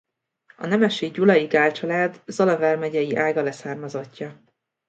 A nemesi gyulai Gaál család Zala vármegyei ága leszármazottja.